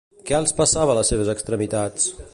Què els passava a les seves extremitats?